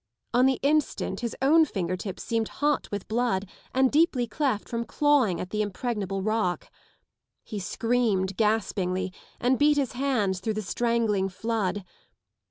On the instant bis own finger tips seemed hot with blood and deeply cleft from clawing at the impregnable rock. He screamed gaspingly and beat his hands through the strangling flood.